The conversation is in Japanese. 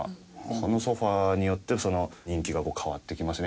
このソファによって人気が変わってきますね